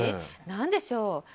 何でしょう。